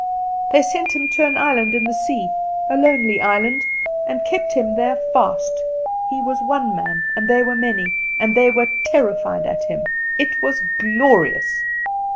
They sent him to an island on the sea, a lonely island, and kept him there fast. He was one man, and they were many, and they were terrified at him. It was glorious!"